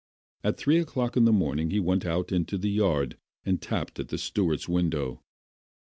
At three o'clock in the morning he went out into the yard and tapped at the steward's window.